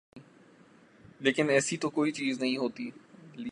لیکن ایسی تو کوئی چیز نہیں ہوئی۔